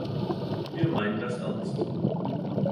Wir meinen das ernst.